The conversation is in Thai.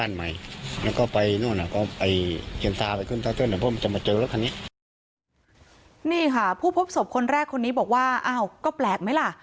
นี่ค่ะผู้พบศพคนแรกคนนี้บอกว่าอ้าวก็แปลกไหมล่ะ